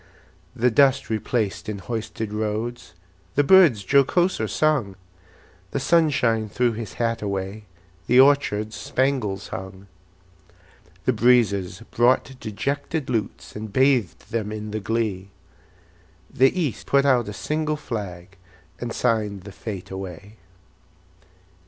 The dust replaced in hoisted roads, The birds jocoser sung; The sunshine threw his hat away, The orchards spangles hung. The breezes brought dejected lutes, And bathed them in the glee; The East put out a single flag, And signed the fete away.